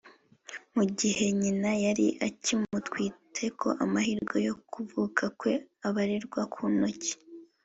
mu gihe nyina yari akimutwite ko amahirwe yo kuvuka kwe abarirwa ku ntoki